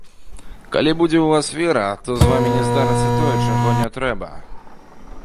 Калі будзе ў вас вера, то з вамі не здарыцца тое, чаго не трэба.